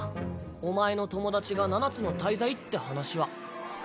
お前の友達が七つの大罪って話は。